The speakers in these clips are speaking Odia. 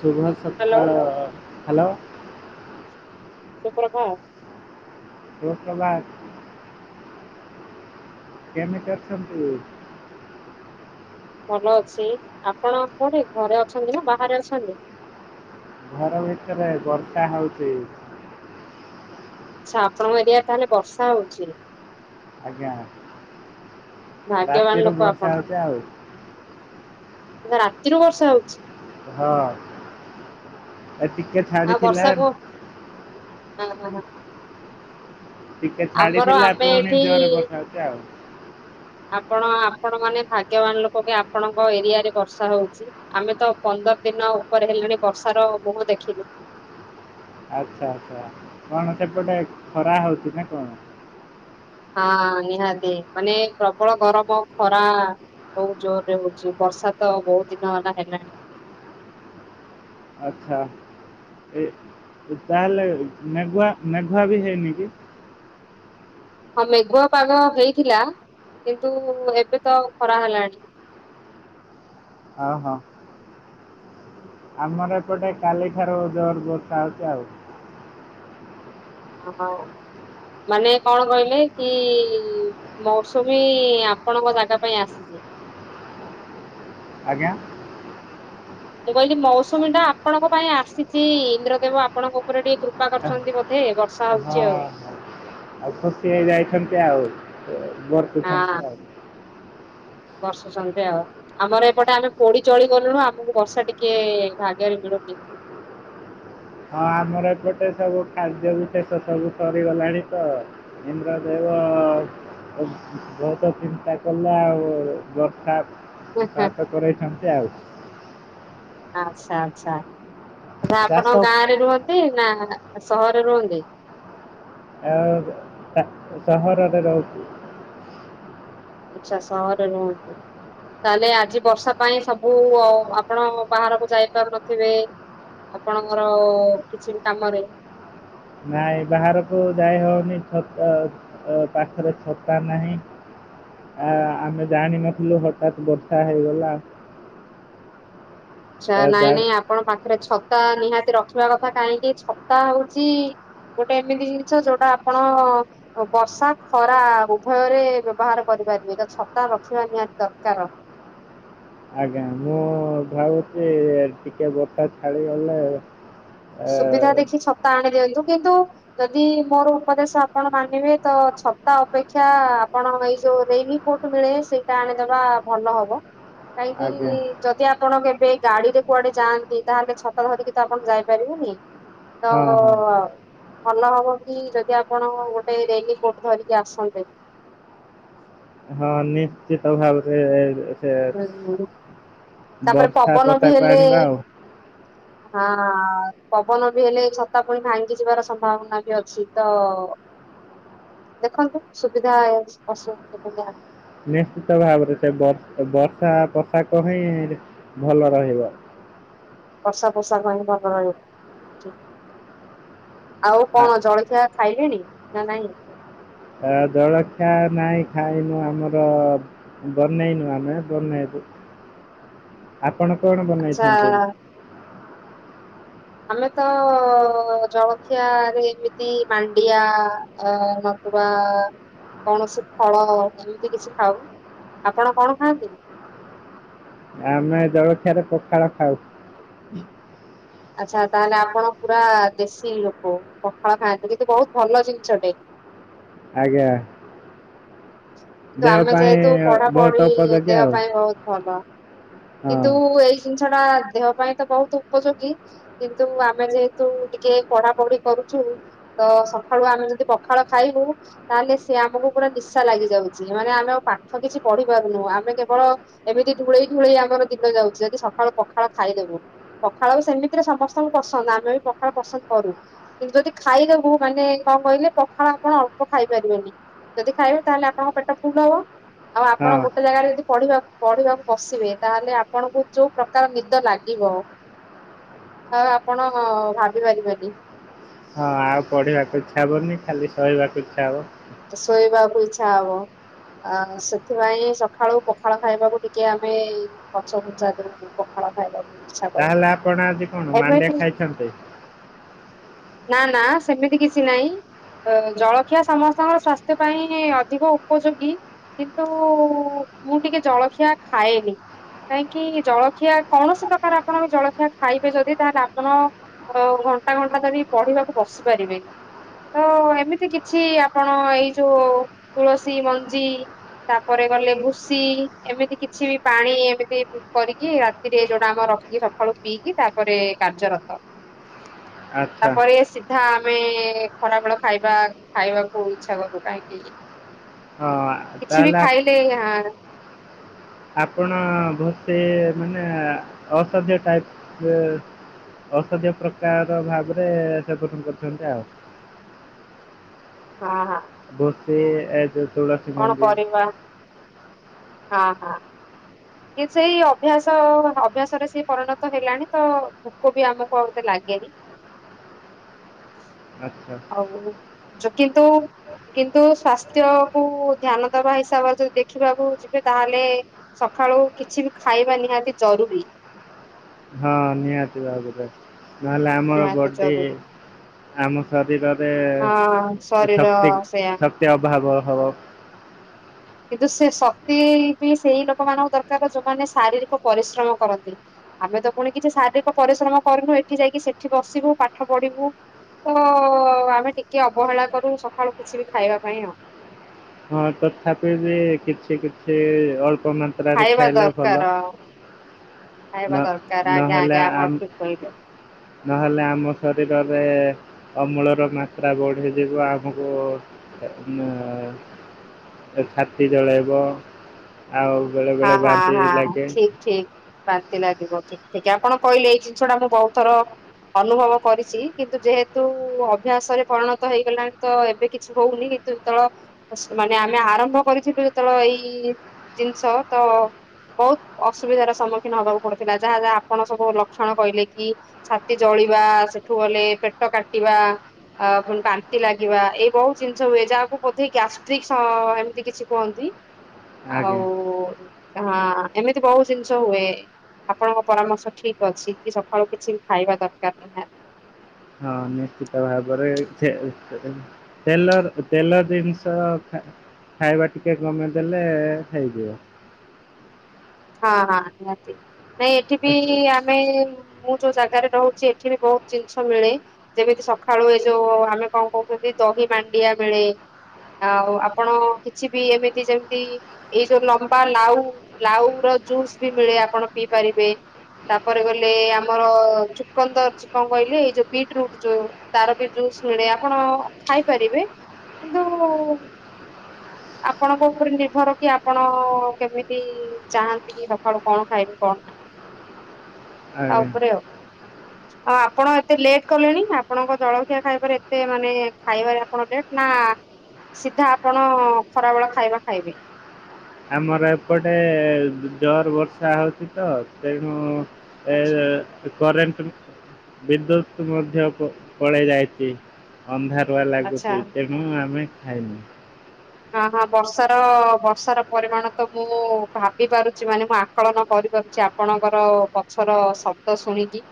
ଶୁଭ ହ୍ୟାଲୋ ସକାଳ, ହାଲୋ ସେ ଫଳ ଖା? ଦୋସୋ ବାର୍ କେମିତି ଅଛନ୍ତିୁ? ଭଲ ଅଛି ଆପଣ କଉଠି ଘରେ ଅଛନ୍ତି ନା ବାହାରେ ଅଛନ୍ତି? ଘର ଭିତରେ ବର୍ଷା ହେଉଛି। ଆଛା ଆପଣଙ୍କ ଏରିଆ ରେ ତାହେଲେ ବର୍ଷା ହଉଛିି। ଆଜ୍ଞା ଭାଗ୍ୟବାନ ରାତିରୁୁ ଲୋକ ଆପଣ ବର୍ଷା ହଉଛି ଆଉ। ନା ଆତିରୁ ବର୍ଷା ହଉଛି। ହଁ ଏ ଟକେ ଆଉ ବର୍ଷା ବହୁ ହଁ, ହଁ, ଟିକେ ଆମର ଛାଡିଥିଲା ଆମେ ପୁଣି ଏଠି ଜୋରରେ ବର୍ଷା ଉଛି ଆଉ। ଆପଣ ଆପଣ ମାନେ ଭାଗ୍ୟବାନ ଲୋକ କି ଆପଣଙ୍କ ଏରିଆ ରେ ବର୍ଷା ହଉଛି। ଆମେ ତ ପନ୍ଦର ଦିନ ଉପରେ ହେଲାଣି ବର୍ଷାର ମୁହଁ ଦେଖିନୁ। ଆଛା ଆଛା କଣ ସେପଟେ ଖରା ହଉଛି ନା କଣ? ହଁ, ନିହାତି ମାନେ ପ୍ରବଳ ଗରମ ଖରା ବହୁତ୍ ଜୋରରେ ହଉଛି ବର୍ଷା ତ ବହୁତ ଦିନ ହେଲା ହେଲାଣି। ଆଛା ଏ ତାହେଲେ ମେଘୁଆ ମେଘୁଆ ବି ହେଇନି କି? ହଁ, ମେଘୁଆ ପାଗ ହେଇଥିଲା କିନ୍ତୁ ଏବେ ତ ଖରା ହେଲାଣୀ। ଓହୋ ଆମର ଏପଟେ କାଲିଠାରୁ ଜୋର ବର୍ଷା ହେଉଛି ଆଉ। ଅହୋ ମାନେ କଣ କହିଲେ କି? ମୌସୁମୀ ଆପଣଙ୍କ ଜାଗା ପାଇଁ ଆସିଛି। ଆଜ୍ଞା। ମୁଁ କହିଲି ମୌସୁମୀ ଟା ଆପଣଙ୍କ ପାଇଁ ଆସିଛି ଇନ୍ଦ୍ରଦେବ ଆପଣଙ୍କ ଉପରେ ଟିକେ କୃପା କରୁଛନ୍ତି ବୋଧେ ହେ ବର୍ଷା ହଁ ହଉଛି ଆଉ। ଆଉ ଖୁସି ହେଇଯାଇଛନ୍ତି ଆଉ ହଁ ବସୁଛନ୍ତି ଆଉ। ବର୍ଷୁଛନ୍ତି ଆଉ। ଆମର ଏପଟେ ଆମେ ପୋଡି ଚଳି ଗଲୁଣୁ ଆମକୁ ବର୍ଷା ଟିକେ ଭାଗରେ ମିଳୁନି। ହଁ ଆମର ଏପଟେ ସବୁ ଖାଦ୍ୟରୁ ଶେଷ [unintelligible] ସବୁ ସରିଗଲାଣି ତ ଇନ୍ଦ୍ରଦେବ ବହୁ - ବହୁତ ଚିନ୍ତା କଲେ ଆଉ ବର୍ଷା ତା ପାଖରେ ଛନ୍ତି ଆଉ। ଆଛା ଆଛା ଚାଷ ଆପଣଙ୍କ ଗାଁ ରେ ଆଉ ରୁହନ୍ତି ନା ସହରରେ ରୁହନ୍ତି? ଆ ହେ ସହରରେ ରହୁଛି। ଆଛା ସହରେ ରୁହନ୍ତି। ତାହେଲେ ଆଜି ବର୍ଷା ପାଇଁ ସବୁ ଆପଣ ବାହାରକୁ ଯାଇପାରୁନଥିବେ। ଆପଣଙ୍କର କିଛି କାମରେ। ନାଇଁ ବାହାରକୁ ଯାଇ ହଉନିଛ ପାଖରେ ଛତା ନାହିଁ। ଆ ଆମେ ଜାଣିନଥିଲୁ ହଠାତ୍ ବର୍ଷା ହେଇଗଲା। ଆଛା ଏ, ନାଇଁ ଯା- ନାଇଁ ଆପଣ ପାଖରେ ଛତା ନିହାତି ରଖିବା କଥା କାହିଁକି ଛତା ହଉଛି ଗୋଟେ ଏମିତି ଜିନିଷ ଯୋଉଟା ଆପଣ ବର୍ଷା ଖରା ଉଭୟରେ ବ୍ୟବହାର କରିପାରିବିଟ ଛତା ରଖିବା ନିହାତି ଦରକାର। ଆଜ୍ଞା ମୁଁ ଭାବୁଛି ଟିକେ ବର୍ଷ ଛାଡ଼ିଗଲେ ଏ, ସୁବିଧା ଦେଖି ଛତା ଆଣି ଦିଅନ୍ତୁ କିନ୍ତୁ ଯଦି ମୋର ଉପଦେଶ ଆପଣ ମାନିବେ ତ ଛତା ଅପେକ୍ଷା ଆପଣ ଏଇ ଯୋଉ ରେନି କୋଟ ମିଳେ ସେଇଟା ଆଣିଦବା ଭଲ ହବ। ଆଜ୍ଞା କାହିଁକି ଯଦି ଆପଣ କେବେ ଗାଡିରେ କୁଆଡେ ଯାଆନ୍ତି ତାହେଲେ ଛତା ଧରିକି ତ ଆପଣ ଯାଇ ପାରିବୁନି ତ ହଁ ହଁ ଭଲ ହବ କି ଯଦି ଆପଣ ଗୋଟେ ରେନି କୋଟ ଧରିକି ଆସନ୍ତେ। ହଁ ନିଶ୍ଚିତ ଭାବରେ। ସେ ତାପରେ ବର୍ଷା ପବନ ବି ପୋଷାକ ହେଲେ ଆଣିବା ଆଉ। ହଁ ପବନ ବି ହେଲେ ଛତା ପୁଣି ଭାଙ୍ଗି ଯିବାର ସମ୍ଭାବନା ବି ଅଛି ତ ଦେଖନ୍ତୁ ସୁବିଧା ଅସୁବିଧା ନିଶ୍ଚିତ ଭାବରେ ସେ ବର୍ଷା ପୋଷାକ ହିଁ ଭଲ ରହିବ। ବର୍ଷା ପୋଷାକ ହିଁ ଭଲ ରହିବ ଆଉ ଆ, କଣ ଜଳଖିଆ ଖାଇଲେଣି ନା ନାଇଁ? ଜଳଖିଆ ନାହିଁ ଖାଇନୁ ଆମର ବନେଇନୁ ଆମେ ବନେଇବୁ। ଆପଣ କଣ ବନେଇଛନ୍ତି? ଆଚ୍ଛା ଆମେ ତ ଜଳଖିଆରେ ଏମିତି ମାଣ୍ଡିଆ। ବା କୌଣସି ଫଳ ଏମିତି କିଛି ଖାଉ ଆପଣ କଣ ଖାଆନ୍ତି? ଆମେ ଜଳଖିଆରେ ପଖାଳ ଖାଉ। ଆଚ୍ଛା ତାହେଲେ ଆପଣ ପୁରା ଦେଶୀ ଲୋକ ପଖାଳ ଖାଆନ୍ତି କିନ୍ତୁ ବହୁତ ଭଲ ଜିନିଷଟେ। ଆଜ୍ଞା କିନ୍ତୁ ଦେହ ଆମେ ଯେହେତୁ ପାଇଁ ପଢାପଢି ବହୁତ ଉପଯୋଗୀ ଦେହ ଆଉ। ପାଇଁ ବହୁତ ଭଲ କିନ୍ତୁ ହଁ ଏଇ ଜିନିଷ ଟା ଦେହ ପାଇଁ ତ ବହୁତ ଉପଯୋଗୀ। କିନ୍ତୁ ଆମେ ଯେହେତୁ ଟିକେ ପଢା ପଢି କରୁଛୁ ତ ସକାଳୁ ଆମେ ଯଦି ପଖାଳ ଖାଇବୁ ତାହେଲେ ସେ ଆମକୁ ପୁରା ନିଶା ଲାଗି ଯାଉଛି ମାନେ ଆମେ ଆଉ ପାଠ କିଛି ପଢି ପାରୁନୁ ଆମେ କେବଳ ଏମିତି ଢୁଳେଇ ଢୁଳେଇ ଆମର ଦିନ ଯାଉଛି ଯଦି ସକାଳୁ ପଖାଳ ଖାଇଦେବୁ। ପଖାଳ ବି ସେମିତିରେ ସମସ୍ତଙ୍କୁ ପସନ୍ଦ ଆମେ ବି ପଖାଳ ପସନ୍ଦ କରୁ। କିନ୍ତୁ ଯଦି ଖାଇଦେବୁ ମାନେ କଣ କହିଲେ ପଖାଳ ଆପଣ ଅଳ୍ପ ଖାଇପାରିବେନି। ଯଦି ଖାଇବେ ତାହେଲେ ଆପଣଙ୍କ ପେଟ ଫୁଲ ହବ। ଆଉ ହଁ ଆପଣ ଗୋଟେ ଜାଗାରେ ଯଦି ପଢିବା ପଢିବାକୁ ବସିବେ ତାହେଲେ ଆପଣଙ୍କୁ ଯୋଉ ପ୍ରକାର ନିଦ ଲାଗିବ ଆଉ ଆପଣ ଭାବି ପାରିବେନି। ହଁ ଆଉ ପଢ଼ିବାକୁ ଇଚ୍ଛା ହେବନି ଖାଲି ଶୋଇବାକୁ ଇଚ୍ଛା ହେବ। ତ ଶୋଇବାକୁ ଇଚ୍ଛା ହବ। ଆ ସେଥିପାଇଁ ସକାଳୁ ପଖାଳ ଖାଇବାକୁ ଟିକେ ଆମେ ପଛ ଘୁଞ୍ଚା ଦଉ। ପଖାଳ ଖାଇବାକୁ ଇଚ୍ଛା କରୁ। ତାହେଲେ ଆପଣ ଆଜି କଣ ମାଣ୍ଡିଆ ଏମିତି ଖାଇଛନ୍ତି? ନା ନା ସେମିତି କିଛି ନାହିଁ ଜଳଖିଆ ସମସ୍ତଙ୍କ ସ୍ୱାସ୍ଥ୍ୟ ପାଇଁ ଅଧିକ ଉପଯୋଗୀ କିନ୍ତୁ ମୁଁ ଟିକେ ଜଳଖିଆ ଖାଏନି କାହିଁକି ଜଳଖିଆ କୌଣସି ପ୍ରକାର ଆପଣ ବି ଜଳଖିଆ ଖାଇବେ ଯଦି ତାହେଲେ ଆପଣ ଘଣ୍ଟା ଘଣ୍ଟା ଧରି ପଢିବାକୁ ବସି ପାରିବେନି ତ ଏମିତି କିଛି ଆପଣ ଏଇ ଯୋଉ ତୁଳସୀ ମଞ୍ଜି ତାପରେ ଗଲେ ଭୁସି ଏମିତି କିଛି ବି ପାଣି ଏମିତି କରିକି ରାତିରେ ଯୋଉଟା ଆମ ରଖିକି ସଖାଳୁ ପିଇକି ତାପରେ କାର୍ଯ୍ୟରତ ଆଚ୍ଛା ତାପରେ ସିଧା ଆମେ ଖରାବେଳ ଖାଇବା ଖାଇବାକୁ ଇଛା କରୁ କାହିଁକି ହଁ କିଛି ତାହେଲେ ବି ଆପ- ଖାଇଲେ ହାଁ ଆପଣ ବୋଧେ ମାନେ ଅସାଧ୍ୟ ଟାଇପ ଔଷଧିଅ ପ୍ରକାର ଭାବରେ ସେବନ କରିଛନ୍ତି ଆଉ ହଁ ହଁ ବୋଧେ କଣ କରିବା ହଁ ହଁ କି ସେଇ ଅଭ୍ୟାସ ଅଭ୍ୟାସ ରେ ସେ ପରିଣତ ହେଲାଣି ତ ଭୋକ ବି ଆମକୁ ଏତେ ଲାଗେନି [inaudible] ଆଚ୍ଛା ଆଉ ଯ କିନ୍ତୁ କିନ୍ତୁ ସ୍ବାସ୍ଥ୍ୟକୁୁ ଧ୍ୟାନ ଦବା ହିସାବରେ ଯଦି ଦେଖିବାକୁ ଯିବେ ତାହେଲେ ସଖାଳୁ କିଛି ବି ଖାଇବା ନିହାତି ଜରୁରୀ ହଁ ନିହାତି ଭାବରେ ନହେଲେ ଆମର ନିହାତି ବଡି ଜରୁରୀ ଆମ ଶରୀରରେ ହଁ ଶରୀର ଶକ୍ତି ସେୟା ଶକ୍ତି ଅଭାବ ହବ କିନ୍ତୁ ସେ ଶକ୍ତି ବି ସେଇ ଲୋକ ମାନଙ୍କ ଦରକାର ଯୋଉମାନେ ଶାରୀରିକ ପରିଶ୍ରମ କରନ୍ତି ଆମେ ତ ପୁଣି କିଛି ଶାରୀରିକ ପରିଶ୍ରମ କରିନୁ ଏଠି ଯାଇକି ସେଠି ବସିବୁ ପାଠ ପଢିବୁ ତ ଆମେ ଟିକେ ଅବହେଳା କରୁ ସକାଳୁ କିଛି ବି ଖାଇବା ପାଇଁ ଆଉ ହଁ ତଥାପି ବି କିଛି କିଛି ଅଳ୍ପ ମ ତ୍ରାରେ ଖାଇବା ଖାଇଲେ ଭଲ ଦରକାର ଖାଇବା ନହ ଦରକାର ଆଜ୍ଞା ନହେଲେ ଆଜ୍ଞା ଆପଣ ଠିକ କହିଲେ। ନହେଲେ ଆମ ଶରୀରରେ ଅମଳର ମାତ୍ରା ବଢଯିବ ଆମକୁ ଛାତି ଜଳାଇବ ଆଉ ହଁ ବେଳେବେଳେ ହଁ ବାନ୍ତିି ହଁ ଲାଗେ ଠିକ ଠିକ ବାନ୍ତି ଲାଗିବ ଠିକ ଠିକ ଆପଣ କହିଲେ ଏଇ ଜିନିଷ ଟା ମୁଁ ବହୁତ ଥର ଅନୁଭବ କରିଛି କିନ୍ତୁ ଯେହେତୁ ଅଭ୍ୟାସରେ ପରିଣତ ହେଇଗଲାଣି ତ ଏବେ କିଛି ହଉନି ଯେତେବେଳେ ମାନେ ଆମେ ଆରମ୍ଭ କରିଥିଲୁ ଯେତେବେଳେ ଏଇ ଜିନିଷ ତ ବହୁତ ଅସୁବିଧାର ସମ୍ମୁଖୀନ ହବାକୁ ପଡୁଥିଲା ଯାହା ଯାହା ଆପଣ ସବୁ ଲକ୍ଷଣ କହିଲେ କି ଛାତି ଜଳିବା ସେଠୁ ଗଲେ ପେଟ କାଟିବା ଆ ପ ବାନ୍ତି ଲାଗିବା ଏଇ ବହୁତ ଜିନିଷ ହୁଏ ଯାହାକୁ ବୋଧେଇ ଗ୍ୟାଷ୍ଟ୍ରିକ୍ ଏମିତି କିଛି କୁହନ୍ତି ଆଜ୍ଞା। ଆଉ ହଁ ଏମିତି ବହୁତ ଜିନିଷ ହୁଏ ଆପଣଙ୍କ ପରାମର୍ଶ ଠିକ ଅଛି କି ସକାଳୁ କିଛି ଖାଇବା ଦରକାର ନିହାତି ହଁ ନିଶ୍ଚିତ ଭାବରେ ଛେ ଛେ ତେଲର ତେଲର ଜିନିଷ ଖା ଖାଇବା ଟିକିେ କମେଇ ଦେଲେ ହେଇଯିବ ହଁ ହଁ ନିହାତି ନାଇଁ ଏଠି ବି ଆ ଆମେ ମୁଁ ଯୋଉ ଜାଗାରେ ରହୁଛି ଏଠି ବି ବହୁତ ଜିନିଷ ମିଳେ ଯେମିତି ସଖାଳୁ ଏ ଯୋଉ ଆମେ କଣ କହୁଛନ୍ତି ଦହି ମାଣ୍ଡିଆ ମିଳେ। ଆଉ ଆପଣ କିଛି ବି ଏମିତି ଯେମିତି ଏଇ ଯୋଉ ଲମ୍ବା ଲାଉ ଲାଉ। ଜୁସ୍ ବି ମିଳେ ଆପଣ ପିଇ ପାରିବେ। ତାପରେ ଗଲେ ଆମର ଚୁକନ୍ଦର କଣ କହିଲେ ଏଇ ଯୋଉ ବିଟ୍ ରୁଟ ଯୋଉ ତାର ବି ଜୁସ୍ ମିଳେ ଆପଣ ଖାଇପାରିବେ କିନ୍ତୁ ଆପଣଙ୍କ ଉପରେ ନିର୍ଭର କି ଆପଣ କେମିତି ଚାହାନ୍ତି କି ସଖାଳୁ କଣ ଖାଇବି କଣ ନାହିଁ? ତା ଆଜ୍ଞା। ଉପରେ ଆଉ। ଆଉ ଆପଣ ଏତେ ଲେଟ୍ କଲେଣି ଆପଣଙ୍କ ଜଳଖିଆ ଖାଇବାରେ ଏତେ ମାନେ ଖାଇବାରେ ଆପଣ ଲେଟ୍। ନା ସିଧା ଆପଣ ଖରାବେଳ ଖାଇବା ଖାଇବେ? ଆମର ଏପଟେ ଜୋରେ ବର୍ଷା ହଉଚି ତ ତେଣୁ ଏ ଆଚ୍ଛା। କରେଣ୍ଟ ବିଦ୍ୟୁତ୍ ମଧ୍ୟ ପଳେଇ ଯାଇଚି। ଅନ୍ଧାରୁଆ ଆଚ୍ଛା। ଲାଗୁଚି ତେଣୁ ଆମେ ଖାଇନୁ। ହଁ ହଁ ବର୍ଷାର ବର୍ଷାର ପରିମାଣ ତ ମୁଁ ଭାବି ପାରୁଛି। ମାନେ ମୁଁ ଆକଳନ କରିପାରୁଛି ଆପଣଙ୍କର ପଛର ଶବ୍ଦ ଶୁଣିକି।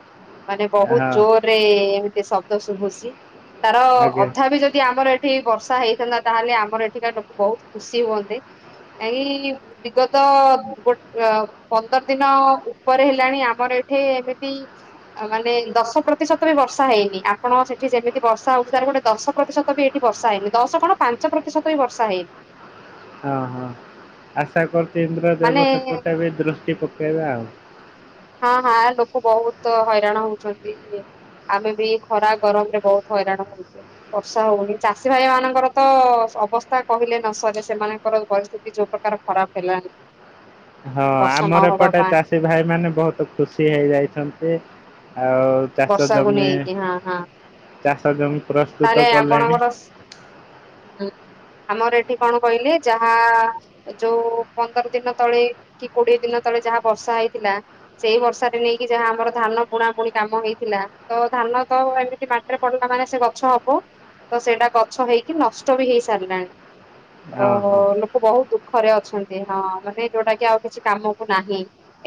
ମାନେ ବହୁତ ହଁ ଜୋରେ ଏମିତି ଶବ୍ଦ ଶୁଭୁଛି ତାର ଆଜ୍ଞା ଅଧା ବି ଯଦି ଆମର ଏ ଏଠି ବର୍ଷା ହେଇଥାନ୍ତା ତାହେଲେ ଆମର ଏଠିକା ଲୋକ ବହୁତ ଖୁସି ହୁଅନ୍ତେ। କାହିଁକି? ବିଗତ ଗୋ ପନ୍ଦର ଦିନ ଉପରେ ହେଲାଣି ଆମର ଏଠି ଏମିତି ମାନେ ଦଶ ପ୍ରତିଶତ ବି ବର୍ଷା ହେଇନି ଆପଣ ସେଠି ଯେମିତି ବର୍ଷା ହଉଛି ତାର ଗୋଟେ ଦଶ ପ୍ରତିଶତ ବି ଏଠି ବର୍ଷା ହେଇନି ଦଶ କଣ ପାଞ୍ଚ ପ୍ରତିଶତ ବି ବର୍ଷା ହେଇନି। ହଁ ହଁ ଆଶା କରୁଛି ଇନ୍ଦ୍ର ମାନେ ଦେବ ସେପଟେ ବି ଦୃଷ୍ଟି ପକେଇବା ଆଉ। ହଁ ହଁ ଲୋକ ବହୁତ ହଇରାଣ ହଉଛନ୍ତି। ଆମେ ବି ଖରା ଗରମରେ ବହୁତ ହଇରାଣ ହଉ ବର୍ଷା ହଉନି ଚାଷୀ ଭାଇ ମାନଙ୍କର ତ ଅବସ୍ଥା କହିଲେ ନ ସରେ ସେମାନଙ୍କର ପରିସ୍ଥିତି ଯୋଉ ପ୍ରକାର ଖରାପ ହେଲାଣି। ହଁ ବର୍ଷା ଆମର ନହବା ଏପଟେ ପାଇଁ ଚାଷୀ ଭାଇ ମାନେ ବହୁତ ଖୁସି ହେଇଯାଇଛନ୍ତି ଆଉ ଚାଷ ବର୍ଷାକୁ ଜମି ନେଇକି ହଁ ହଁ। ଚାଷ ଜମି ତାହେଲେ ପ୍ରସ୍ତୁତ କଲେଣି ଆପଣଙ୍କର ଉଁ ଆମର ଏଠି କଣ ଆସିଲେ ଯାହା ଯୋଉ ପନ୍ଦର ଦିନ ତଳେ କି କୋଡିଏ ଦିନ ତଳେ ଯାହା ବର୍ଷା ହେଇଥିଲା। ସେଇ ବର୍ଷାରେ ନେଇକି ଯାହା ଆମର ଧାନ ବୁଣା ବୁଣି କାମ ହେଇଥିଲା ତ ଧାନ ତ ଏମିତି ବା ରେ ପଡିଲା ମାନେ ସେ ଗଛ ହବ ତ ସେଇଟା ଗଛ ହେଇକି ନଷ୍ଟ ବି ହେଇ ସାରିଲାଣି। ହଁ ଓହୋ ହଁ ଲୋକ ବହୁତ ଦୁଃଖରେ ଅଛନ୍ତି ହଁ ମାନେ ଯୋଉଟା କି ଆଉ କିଛି କାମକୁ ନାହିଁ‌‌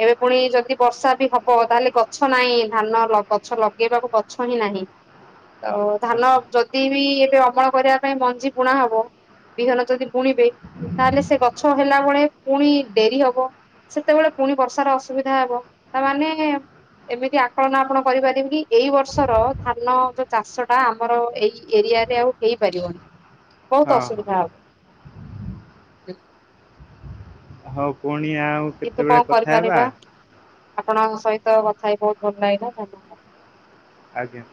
ଏବେ ପୁଣି ଯଦି ବର୍ଷା ବି ହବ ତାହେଲେ ଗଛ ନାହିଁ ଧାନ ଗଛ ଲଗେଇବାକୁ ଗଛ ହିଁ ନାହିଁ। ତ ଧାନ ଯଦି ବି ଏବେ ଅମଳ କରିବା ପାଇଁ ମଞ୍ଜି ବୁଣା ହବ। ବିହନ ଯଦି ବୁଣିବେ ତାହେଲେ ସେ ଗଛ ହେଲା ବେଳେ ପୁଣି ଡେରି ହବ। ସେତେବେଳେ ପୁଣି ବର୍ଷାର ଅସୁବିଧା ହବ ତା ମାନେ ଏମିତି ଆକଳନ ଆପଣ କରିପାରିବେ କି ଏଇ ବର୍ଷର ଧାନ ଯୋଉ ଚାଷ ତା ଆମର ଏଇ ଏରିଆରେ ଆଉ ହେଇପାରିବନି ହଁ ବହୁତ ହଁ ଅସୁବିଧା ହବ। ହଁ ପୁଣି ଆଉ। କିନ୍ତୁ କେତେବେଳେ କଣ କଥା ହେବା କରିପାରିବା ଆପଣଙ୍କ ସହିତ କଥା ହେଇ ବହୁତ ଭଲ ଲାଗିଲା ଧନ୍ୟବାଦ। ଆଜ୍ଞା